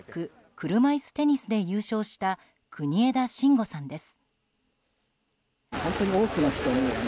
車いすテニスで優勝した国枝慎吾さんです。